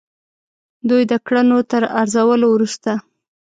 دوی د کړنو تر ارزولو وروسته.